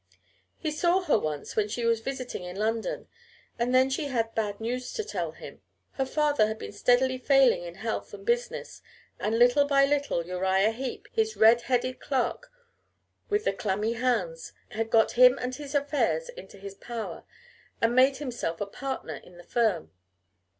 He saw her once when she was visiting in London, and then she had bad news to tell him; her father had been steadily failing in health and business, and little by little Uriah Heep, his red headed clerk with the clammy hands, had got him and his affairs into his power and made himself a partner in the firm.